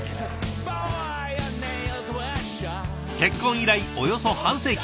結婚以来およそ半世紀。